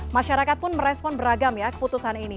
masyarakat pun merespon beragam ya keputusan ini